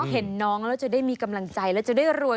เห็นน้องแล้วจะได้มีกำลังใจแล้วจะได้รวย